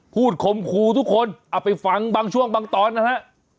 คมครูทุกคนเอาไปฟังบางช่วงบางตอนนะฮะ